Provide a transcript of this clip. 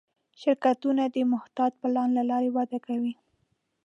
شرکتونه د محتاط پلان له لارې وده کوي.